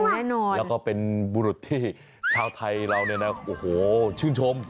แน่นอนแล้วก็เป็นบุรุษที่ชาวไทยเราเนี่ยนะโอ้โหชื่นชม